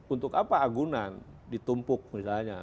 untuk apa agunan ditumpuk misalnya